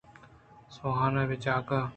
سوہان ءِ جاہگ